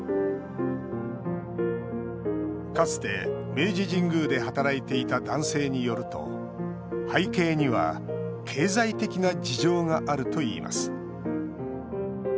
かつて明治神宮で働いていた男性によると背景には経済的な事情があるといいます。